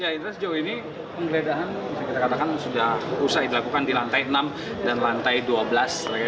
sejauh ini penggeledahan sudah usah dilakukan di lantai enam dan lantai dua belas